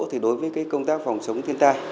thì đối với công tác phòng chống thiên tai